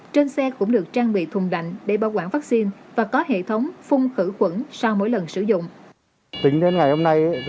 trên xe cũng được trang bị thùng đạnh để bảo quản vaccine và có hệ thống phun khử khuẩn sau mỗi lần sử dụng